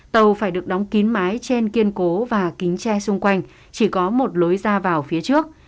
tàu phải được đóng kín mái trên kiên cố và kính tre xung quanh chỉ có một lối ra vào phía trước